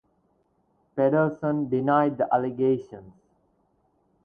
Pederson denied the allegations.